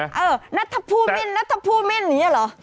เออนัทผู้มิ้นนัทผู้มิ่นอย่างนี้เหรอ